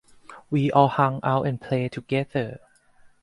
We all hung out and played together.